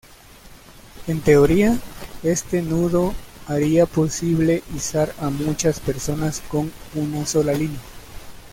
En teoría, este nudo haría posible izar a muchas personas con una sola línea.